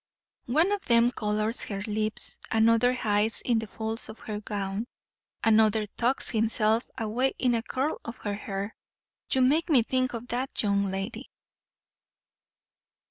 One of them colours her lips; another hides in the folds of her gown; another tucks himself away in a curl of her hair. You make me think of that young lady."